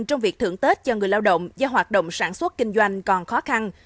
trong việc thưởng tết cho người lao động do hoạt động sản xuất kinh doanh còn khó khăn